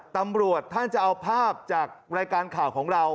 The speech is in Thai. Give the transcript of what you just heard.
ตำรวจท่านจะเอาภาพจากรายการข่าวของเรา